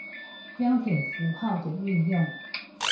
標點符號的運用